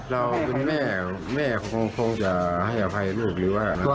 เราวันนี้แม่แม่คงจะให้อภัยลูกหรือว่า